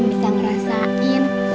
mesti bisa ngerasain